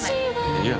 いや。